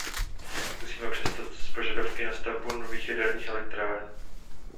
Musíme přestat s požadavky na stavbu nových jaderných elektráren.